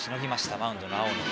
マウンドの青野。